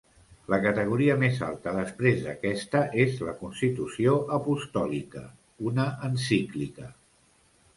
La categoria més alta després d'aquesta és la constitució apostòlica, una encíclica.